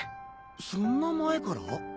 そんな前から？